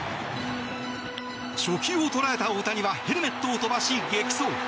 初球を捉えた大谷はヘルメットを飛ばし、激走。